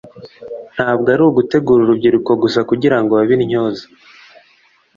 ntabwo ari ugutegura urubyiruko gusa kugira ngo babe intyoza